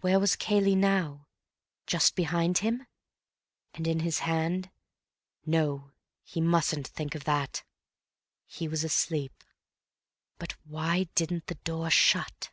Where was Cayley now? Just behind him? And in his hand—no, he mustn't think of that. He was asleep. But why didn't the door shut?